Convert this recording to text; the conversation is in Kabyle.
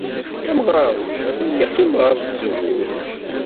Amɣar-nni atan yeqqim ɣer tzewwut.